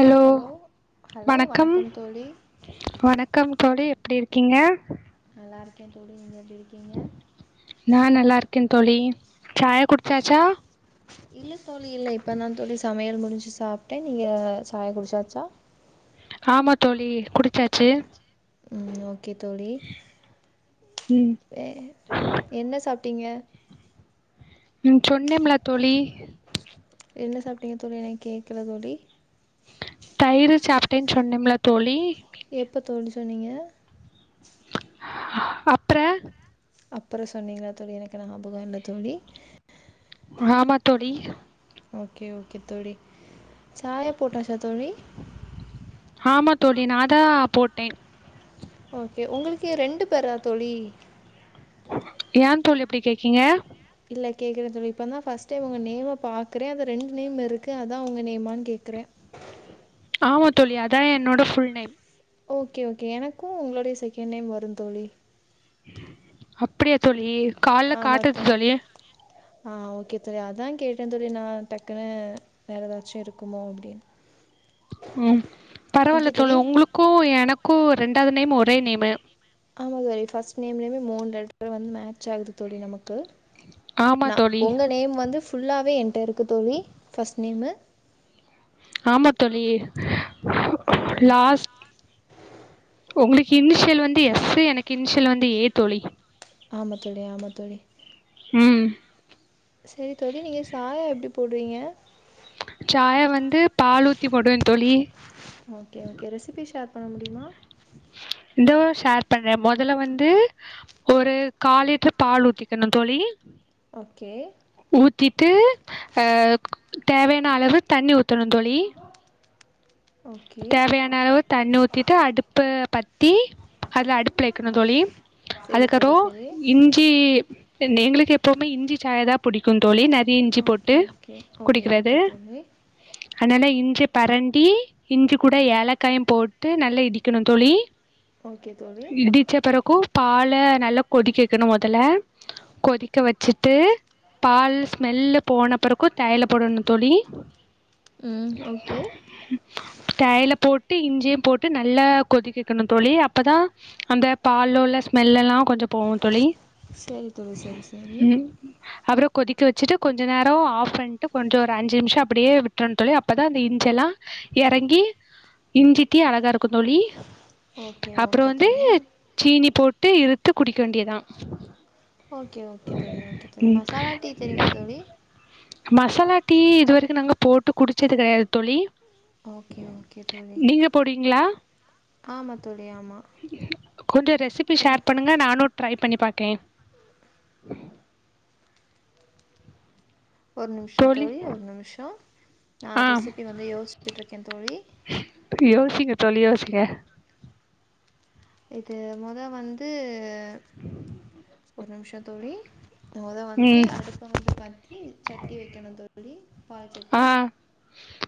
Hello hello வணக்கம் தோழி வணக்கம் தோழி எப்டி இருக்கீங்க நல்லா இருக்கே தோழி நீங்க எப்டி இருக்கீங்க க்க தோழி சாய குடுச்சாச்சா இல்ல தோழி இல்ல இப்பதா தோழி சமையல் முடிஞ்சு சாப்பிட்டே நீங்க சாய குடிச்சாச்சா ஆமா தோழி குடிச்சாச்சு ம் ஓகே தோழி ம் வே என்ன சாப்பிட்டீங்க ம் சொன்னம்ல தோழி என்ன சாப்பிட்டீங்க தோழி எனக்கு கேக்கல தோழி தயிரு சாப்பிட்டேன்னு சொன்னேம்ல தோழி எப்ப தோழி சொன்னீங்க அப்ற அப்புற சொன்னீங்களா தோழி எனக்கு நாபக இல்ல தோழி ஆமா தோழி ஓகே ஓகே தோழி சாய போட்டாச்சா தோழி ஆமா தோழி நாதா போட்டே ஓகே உங்களுக்கு ரெண்டு பேரா தோழி ஏன் தோழி இப்டி கேக்கீங்க இல்ல கேக்குற தோழி இப்ப தா ஃப்ஸ்ட் டைம் உங்க நேம பாக்குறே அதா ரெண்டு நேம் இருக்கு அதா உங்க நேம்மானு கேக்குறே ஆமா தோழி அதா என்னோட ஃபுல் நேம் ஓகே ஓகே எனக்கு உங்களுடைய செகண்ட் நேம் வருந் தோழி அப்டியா தோழி கால்ல காட்டுது தோழி ஆ ஓகே தோழி அதா கேட்டே தோழி நா டக்குனு வேறு ஏதாச்சு இருக்குமோ அப்டின்னு ம் பரவாயில்ல தோழி உங்களுக்கு எனக்கு ரெண்டாவது நேம் ஒரே நேமு ஆமா தோழி ஃபர்ஸ்ட் நேம்லேயுமே மூணு லெட்டர் வந்து மேட்ச் ஆகுது தோழி நமக்கு ஆமா ந தோழி உங்க நேம் வந்து ஃபுல்லாவே என்ட இருக்கு தோழி ஃபர்ஸ்ட் நேமு ஆமா தோழி ஆமாம் தோழி லாஸ் உங்களுக்கு இன்ஷியல் வந்து எஸ்ஸு எனக்கு இன்ஷியல் வந்து ஏ தோழி ஆமா தோழி ஆமா தோழி ம் செரி தோழி நீங்க சாயா எப்டி போடுவீங்க சாய வந்து பால் ஊத்தி போடுவே தோழி ஓகே ஓகே ரெசிபி ஷேர் பண்ண முடியுமா இந்தோ ஷேர் பண்றே மொதல்ல வந்து ஒரு காலிட்ரு பால் ஊத்திக்கணு தோழி ஓகே ஊத்தீட்டு ஆ தேவையான அளவு தண்ணி ஊத்தணு தோழி ஓகே தேவையான அளவு தண்ணி ஊத்திட்டு அடுப்ப பத்தி அதுல அடுப்ல வக்கணு தோழி சரி தோழி அதுக்கப்றோ சரி இஞ்சி நெங்களுக் எப்பவுமே இஞ்சி சாய தா புடிக்கு தோழி நெறைய இஞ்சி போட்டு ஓகே ஓகே ஓகே ஓகே தோழி அதனால இஞ்சி பரண்டி இஞ்சி கூட ஏலக்காயு போட்டு நல்லா இடிக்கணு தோழி ஓகே தோழி இடிச்ச பிறக்கு பால நல்லா கொதிக்க வக்கணு மொதல்ல கொதிக்க வச்சிட்டு பால் ஸ்மெல்லு போன பிறக்கு தேயல போடணு தோழி ம் ஓகே தேயல போட்டு இஞ்சியு போட்டு நல்லா கொதிக்க வக்கணு தோழி அப்பதா அந்த பாலோல ஸ்மெல்ல ல்லா கொஞ்சோ போவு தோழி சேரி தோழி செரி செரி ம் அப்புறோ கொதிக்க வச்சிட்டு கொஞ்ச நேரோ ஆஃப் பண்ட்டு கொஞ்ச ஒரு அஞ்சி நிம்ஷோ அப்டியே விட்றனு தோழி அப்ப தா அந்த இஞ்செல்லா இறங்கி இஞ்சி டீ அழகா இருக்கு தோழி ஓகே அப்பறோ ஓகே வந்து தோழி சீனி போட்டு இறுத்து குடிக்க வேண்டியதா ஓகே ஓகே தோழி ஓகே தோழி ம் மசாலா டீ தெரியுமா தோழி மசாலா டீ இதுவரைக்கு நாங்க போட்டு குடிச்சது கெடையாது தோழி ஓகே ஓகே தோழி நீங்க போடுவீங்களா ஆமா தோழி ஆமா கொஞ்ச ரெசிபி ஷேர் பண்ணுங்க நானு ட்ரை பண்ணி பாக்கே ஒரு நிம்ஷோ தோழி ஒரு நிம்ஷோ நா ஆ ரெசிபி வந்து யோஷ்சிட்ருக்கே தோழி யோசிங்க தோழி யோசிங்க இது மொத வந்து ஒரு நிம்ஷோ தோழி மொத வந்து ம் அடுப்ப வந்து பத்தி சட்டி வைக்கணு தோழி பால் சட்டி ஆ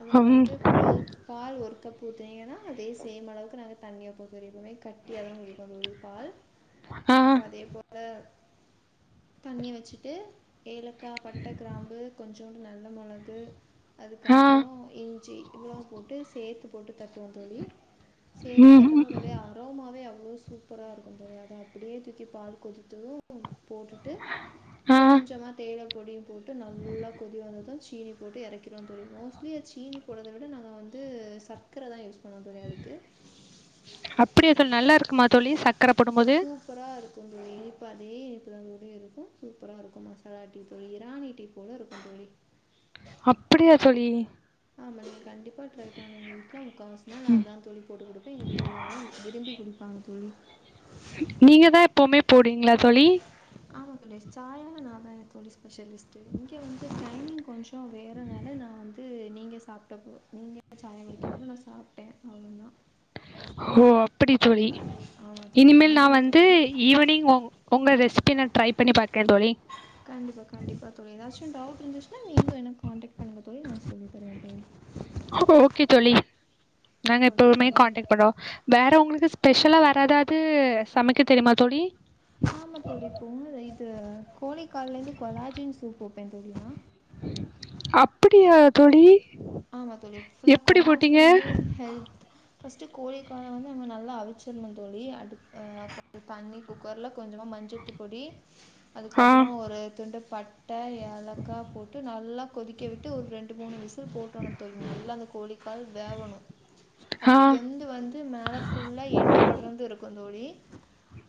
அதுல ம் வந்து பால் பால் ஒரு கப் ஊத்துனிங்கன்னா அதே சேம் அளவுக்கு நாங்க தண்ணி ஊத்துவோ தோழி எப்பவுமே கட்டியாத குடிப்போ தோழி பால் ஆ அப்ப அதே போல தண்ணி வச்சிட்டு ஏலக்கா பட்ட க்ராம்பு கொஞ்சோண்டு நல்ல மெளகு ஆ அதுக்கப்பறோ இஞ்சி இவ்ளவு போட்டு சேத்து போட்டு தட்டுவோ தோழி சேத்து ம் தட்டும்போதோடே ஆ வே அவ்ளோ சூப்பரா இருக்கு தோழி அத அப்டியே தூக்கி பால் கொதித்தது போட்டுட்டு ஆ கொஞ்சமா தேயல பொடியு போட்டு நல்லா கொதி வந்தது சீனி போட்டு இறக்கிருவோ தோழி மோஸ்ட்லி சீனி போட்றத விட நாங்க வந்து சக்கர தா யூஸ் பண்ணுவோ தோழி அதுக்கு அப்டியா தோழி நல்லா இருக்குமா தோழி சக் சூப்பரா இருக்கு தோழி இனிப்பு அதே இனிப் மசாலாவோடயு இருக்கு சூப்பரா இருக்கு மசாலா டீ தோழி ராணி டீ போல இருக்கு தோழி அப்டியா தோழி ஆமாங்க கண்டிப் இப்பாட்ல இருக்குறவ எங்க வீட்ல முக்காவாசி நாள் நா ம் அதா தோழி போட்டு குடுப்பே எங்க வீட்ல உள்ளவங்கெல்லா விரும்பி குடிப்பாங்க தோழி நீங்க தா எப்பவுமே போடுவீங்களா தோழி ஆமா தோழி சாயானா நா தா தோழி ஸ்பெஷலிஸ்ட்டு இங்க வந்து டைமிங் கொஞ்சோ உம் நீங்க சாப்டப்போ நீங்க சாயா குடிக்கிற நேரோ நா சாப்ட்டே அவ்ளோ தா ஓ அப்டி தோழி ஆமாம் தோழி இனிமேல் நா லண்டன் வந்து தோழி ஈவினிங் ஒங் உங்க ரெசிபி நா ட்ரை பண்ணி பாக்றே தோழி எது டவுட் இருந்துச்சுா நீங்ளு என்ன காண்டக்ட் பண்ணுங்க தோழி ந ஓகே தோழி நாங்க ஓகே எப்பவுமே தோழி காண்டெக்ட் பண்றோ வேற உங்களுக்கு சு ஸ்பெஷலா வேராதாவது சமைக்க தெரியுமா தோழி ஆமா தோழி [unintelligible] இது கோழி கால்ல இருந்து கொலாஜின் சூப் வைப்பே தோழி நா அப்டியா தோழி ஆமா தோழி ஃபுல்லா எப்படி கொலாஜின் போட்டீங்க? வந்து ஹெத் ஃபஸ்ட் கோழி கால வந்து நம்ம நல்லா அவுச்சுருனு தோழி அடுத் தண்ணி குக்கர்ல கொஞ்சமா மஞ்சத்து பொடி ஆ அதுக்கப்றோ ஒரு துண்டு பட்ட ஏலக்கா போட்டு நா நல்லா கொதிக்க விட்டு ஒரு ரெண்டு மூணு விசில் போட்றனு தோழி நல்லா அந்த கோழிக்கால் வேவணு ஆ அப்டி வெந்து வந்து மேல ஃபுல்லா எண்ண படர்து இருக்கு தோழி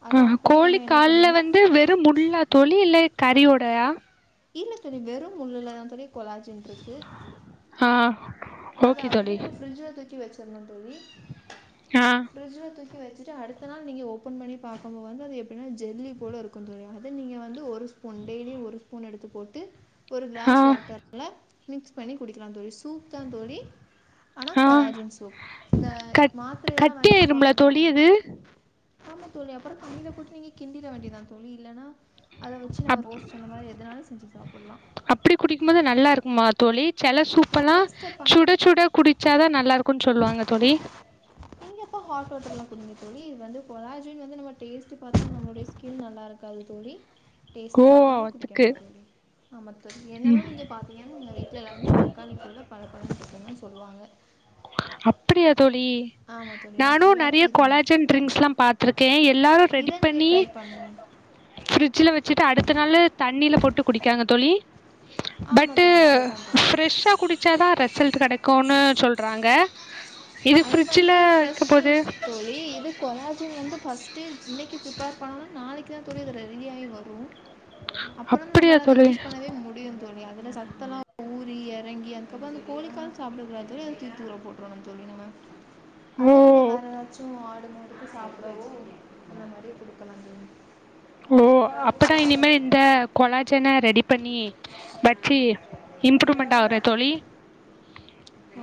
அதை ஆஹ் அப்படியே கோழி நம்ம என்ன கால்ல பண்ணிடணும் வந்து வெறும் முள்ளா தோழி இல்ல கறி ஓடவா இல்ல தோழி வெறும் முள்ளுலதா கொலாஜின் இருக்கு ஆஹ் அத அப்டியே நம்ம ஃப்ரிட்ஜ்ல தூக்கி வச்சர்னு தோழி ஆ ஃப்ரிட்ஜ்ல தூக் [unintelligible] வச்சுட்டு அடுத்த நாள் நீங்க ஓபன் பண்ணி பாக்குபோது வந்து எப்டினா ஜெல்லி போலருக்கு தோழி அத நீங்க வந்து ஒரு ஸ் பூன் டெய்லியு ஒரு ஸ்பூன் எடுத்து போட்டு ஒரு ஆ கிளாஸ் வாட்டர்ல மிக்ஸ் பண்ணி குடிக்லா தோழி சூப் தா தோழி ஆனா ஆ கொலாஜின் சூப் இந்த கட் மாத்திரையெல்லா கட்டியாரும்ல தோழி அது ஆமாம் தோழி அப்றோ தண்ணியில போட்டு நீங்க கிண்டிற வேண்டியதா தோழி இல்லைன்னா அப் செஞ்சு சாப்புட்லா அப்டி குடிக்கும்போது நல்லா இருக்குமா தோழி செல சூப்பெல்லா டேஸ்ட்டப்பா சுடச் சுட குடிச்சாதா நல்லா இருக்குனு சொல்லுவாங்க தோழி அப்ப ஹாட் வாட்டர்ல குடிங்க தோழி இது வந்து கொலாஜின் வந்து நம்ம டேஸ்டு பாத்து நம்மளோட ஸ்கின் நல்லா இருக்காது தோழி ஓ டேஸ்ட்டு பாக்காம அதுக்கு குடிக்கணு தோழி ஆமா தோழி என்னல்லா நீங்க பாத்தீங்கன்னா எங்க வீட்ல எல்லாருமே த தக்காளி போலா பல பலனு இருக்குனு தா சொல்லுவாங்க அப்டியா தோழி ஆமாம் தோழி நான் நானு ஃபுல்லாகவே நெறைய இது மாதிரி கொலாஜின் டிரிங்க்ஸ்ல்லா பாத்திருக்கே எத் எல்லாரு ரெடி இதை நீங்கள் பண்ணி ட்ரை பண்ணுங்கள் ஃபிரிட்ஜல வச்சுட்டு அடுத்த நாளு தண்ணில போட்டு குடிக்காங்க தோழி ஆமாம் பட்டு தோழி அதுதான் தோழி ஃப்ரெஷ்ஷா குடிச்சாதா ரெசல்ட் கெடைக்குனு சொல்றாங்க இது அது ஃப்ரிட்ஜில வந்து வைக்க ஃப்ரெஷ் போது ஜூஸ் தோழி இது கொலாஜின் வந்து ஃபஸ்ட் இன்னைக்கு ப்ரிப்பேர் பண்ணனு நாளைக்கு தா தோழி அது ரெ ரிலீவாய் வரு அப்றோத அப்படியா நம்மள அத தோழி யூஸ் பண்ணவே முடியு தோழி அதில சத்தலா ஊரி எறங்கி அதுக்கப்றோ அந்த கோழிக்கால் சாப்டக்கூடாது தோழி அது தூக் தூர போட்றணு தோழி நம்ம ஓ அத நீங்க வேற ஏதாச்சு ஆட் அந்த மாதிரி சாப்டவோ அந்த மாரியே குடுக்கலா தோழி ஓ அப்பனா இனிமே இந்த கொலாஜன்ன ரெடி பண்ணி வச்சு இம்ரூம்மெண்ட் ஆகுறே தோழி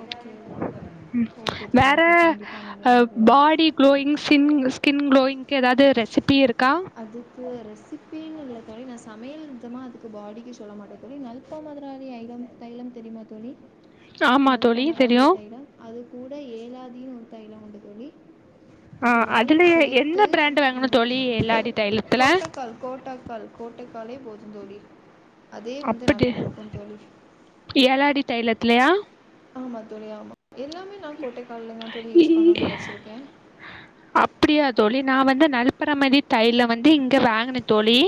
ஓகே ம் ஓகே தோழி வேற ஓகே கண்டிப்பாக நீங்கள் ஆ வந்து பாடி குளோயிங் சின் மிஸ் ஸ்கின் குளோயிங்க்கு ஏதாது ரெசிபி இருக்கா கு ரெசிபின்னு இல்ல தோழி நா சமையல் நிமித்தமா அதுக்கு பாடிக்கு சொல்ல மாட்டே தோழி நல்தமராதி ஐலம் [unintelligible] தைலம் தெரியுமா தோழி ஆமா தோழி நல்பமராதி தெரியு தைலம் அது கூட ஏலாதீன்னு ஒரு தைலம் உண்டு தோழி ஆ அது அதுல ரெண்டையும் சேர்த்து எந்தப் பிராண்ட் வாங்கணு தோழி ஏலாதீ தைலத்துல அதுவே போதுந் தோழி அதே வந்து அப்டி நல்லா இருக்கும் தோழி ஏலாதீ தைலத்லையா ஆமா தோழி ஆமா எல்லாமே நா கோட்டைக்கால்ல தான் தோழி யூஸ் பண்ணுனு நெனைச்சிருக்கே அப்டியா தோழி நா வந்து நல்பறமதி தைலோ வந்து இங்க வாங்குனே தோழி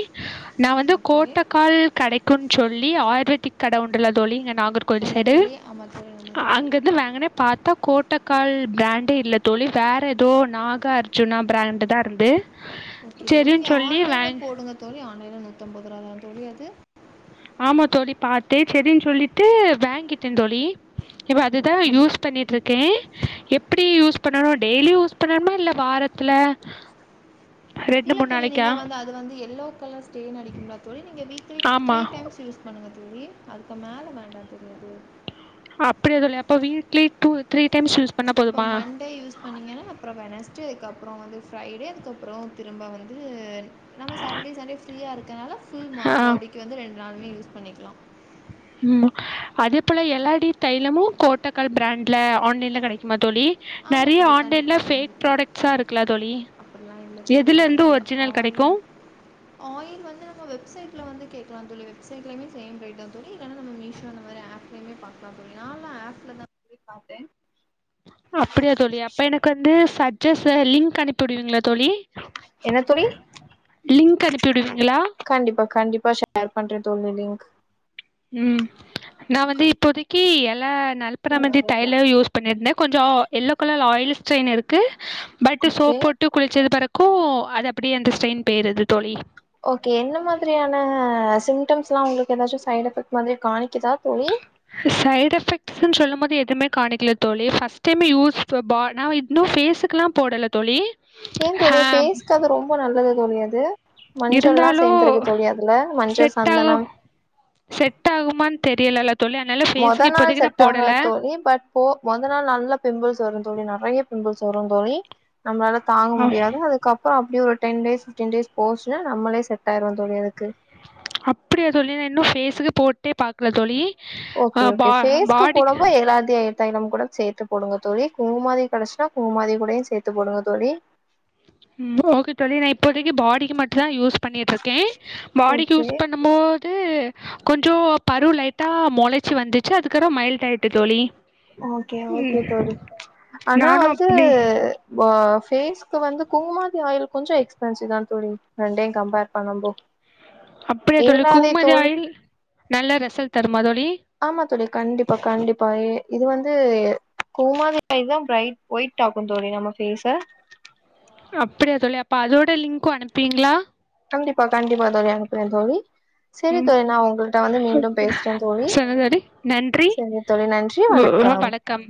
நா வந்து ஓகே கோட்டக்கால் கெடைக்குன்னு சொல்லி ஆயுர்வேதிக் கட உண்டுல தோழி இங்க நாகர்கோயில் ஆமாம் சைடு தோழி ஆமாம் தோழி ஆமாம் தோழி அங்கருந்து வாங்குனே பாத்தா கோட்டக்கால் பிராண்ட் டு இல்ல தோழி வேற எதோ நாக அர்ஜுனா பிராண்ட்தா இருந்து ஓகே தோழி நீங்க செரின் சொல்லி ஆன்லைன்ல வாங் போடுங்க தோழி ஆன்லைன்ல நூத்தம்பது ரூவாதா தோழி அது ஆமா தோழி பாத்தே செரின்னு சொல்லிட்டு வேங்கிட்டே தோழி இப்ப அதுதா ஓகே. யூஸ் பண்ணீட்டுருக்கே எப்டி யூஸ் பண்ணணு டெய்லி யூஸ் பண்ணணுமா இல்ல வாரத்துல ரெண்டு இல்ல மூணு தோழி நாளைக்கா நீங்க வந்து அது வந்து எல்லோ கலர் ஸ்டேன்னு அடிக்கும்லா தோழி நீங்க வீக்லி ஆமா த்ரீ டைம்ஸ் யூஸ் பண்ணுங்க தோழி அதுக்கு மேல வேண்டா தோழி அது அப்புடி எது இல்லயா அப்ப weekly two three times use பண்ணா இப்ப போதுமா மண்டே யூஸ் பண்ணீங்கன்னா அப்பறோ வெனஸ்டே அதுக்கப் ப்றோ வந்து ஃப்ரைடே அதுக்கப்பறோ திரும்ப வந்து நம்ம சாட்டர்டே சண்டே ஃப்ரீயாருக் கனால ஃபுல் மா ஆ பாடிக்கு வந்து ரெண்டு நாளுமே யூஸ் பண்ணிக்லா ம் அதே போல எலாடி தைலமு கோட்டக்கால் பிராண்ட்ல ஆன்லைன்ல கெடைக்குமா தோழி ஆமா நெறைய தோழி. ஆன்லைன்ல ஃபேக் ப்ராடக்ட்ஸா இருக்குலா தோழி அப்படில்லா இல்ல தோழி எதுல அது இருந்து வந்து ஒரிஜினல் கெடைக்கு ஆயில் ஆயில் வந்து நம்ம வெப்சைட்ல வந்து கேக்கலா தோழி வெப் வெப்சைட்லயுமே சேம் ரேட்தா தோழி இல்லேன்னா நம்ம மீஷோ அந்த மாரி ஆப்லயுமே பாக்கலாம் தோழி நால்லா ஆப்லதா இ பாத்தே அப்டியா தோழி அப்ப எனக்கு வந்து சஜ்ஜஸ்ஸ லிங்க் அனுப்பி விடுவீங்களா தோழி என்ன தோழி லிங்க் அனுப்பி விடுவீங்களா? இப்ப ஷேர் பண்றே தோழி லிங்க் ம் நா வந்து இப்போதக்கி எல நல்பறமதி தைலோ யூஸ் பண்ணிருந்த கொஞ்சோ எல்லோ கலர்ல ஆயில் ஸ்டெய்ன் இருக்கு பட் ஓகே சோப் போட்டு குளிச்சது பெறகு கோ அது அப்படியே அந்த ஸ்டெய்ன் பேயிருது தோழி ஓகே என்ன மாதிரியான சிம்டம்ஸ்ல்லா உங்களுக்கு எதாச்சு சைட் எஃபெக்ட் மாதிரி காணிக் சைடு் எஃபெக்ட்ஸ்ன்னு சொல்லும்போது எத் எதுவுமே காணிக்கல தோழி ஃபர்ஸ்ட் டைம் யூஸ் பா நா இன்னு ஃபேஸ்க்குல்லா போடல தோழி. ஏன் ஹ தோழி ஃபேஸ்க்கு அது ரொம்ப நல்லது தோழி அது மஞ்சள்ல்லா இருந்தாலு சேந்துருக்கு தோழி அதுல மஞ்சள் செட் ஆகு சந்தனம் செட் ஆகுமான் தெரியலல்ல தோழி அதனால மொத ஃபேஸுக்கு நாள் இப்போதைக்கு நா செட் ஆகாது போடல தோழி பட் போ மொத நாள் நல்லா பிம்பிள்ஸ் வருந் தோழி நெறைய பிம்பிள்ஸ் வரு தோழி நம்மளால தாங்க முடியாது அதுக்கப்பறோ அப் ப்டியே ஒரு டென் டேஸ் ஃபிப்டின் டேஸ் போச்சின்னா நம்மளே செட் ஆயிருவோ தோழி அதுக்கு அப்டியா தோழி நா இன்னு ஃபேஸ்க்கு போட்டே பாக்கல தோழி. ஓகே அஹ் பா ஓகே ஃபேஸ்க்கு பாடிக்கு போடொம்போ எல்லாதயு எடு தைலம் கூட சேத்து போடுங்க தோழி குங்குமாதி கெடச்சின்னா குங்குமாதி கூடயு சேத்து போடுங்க தோழி. ம் ஓகே தோழி நா இப்போதைக்கி பாடிக்கு மட்டுதா யூஸ் பண்ணீட்டுருக்கே. பாடிக்கு ஓகே யூஸ் பண்ணம்போ து கொஞ்சோ பரு லைட்டா மொளைச்சி வந்துச்சு அதுக்கற மைல்டாய்ட்டு தோழி. ஓகே ஓகே ம் தோழி ஆனா நானும் வந்து அப்படி ஓஃப் ஃபேஸ்க்கு வந்து குங்குமாதி ஆயில் கொஞ்சோ எக்ஸ்பென்சிவ்தா தோழி ரெண்டையு கம்பேர் பண்ணம்போ அப்படியா தோழி குங்குமாதி ஆயில் நல்ல ரெசல் தருமா தோழி. ஆமா தோழி கண்டிப்பா கண்டிப்பா இ இது வந்து கோம்மாதி ஆயில்தா பிரைட் ஒயிட் ஆக்கும் தோழி நம்ம ஃபேஸ அப்படியா தோழி அப்ப அதோட லிங்க்கு அனுப்பீங்ளா? கண்டிப்பா கண்டிப்பா தோழி அனுப்றே தோழி. சரி ம் தோழி நான் உங்கள்ட்ட வந்து மீண்டும் பேசுறேன் தோழி சொல்லுங்கள் சரி தோழி நன்றி வண உம் வணக்கம்